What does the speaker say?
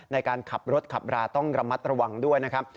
ในการขับรถขับราต้องระมัดระวังด้วยนะครับ